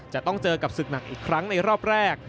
จะต้องเจอกับศึกหนักอีกครั้งในรอบแรก